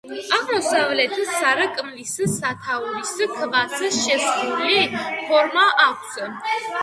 აღმოსავლეთ სარკმლის სათაურის ქვას შეისრული ფორმა აქვს.